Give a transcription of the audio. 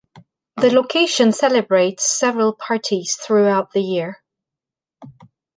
The location celebrates several parties throughout the year.